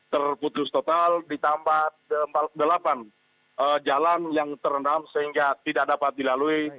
terputus total ditambah delapan jalan yang terendam sehingga tidak dapat dilalui